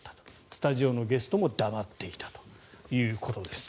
スタジオのゲストも黙っていたということです。